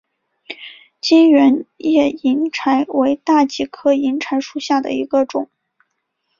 全缘叶银柴为大戟科银柴属下的一个种。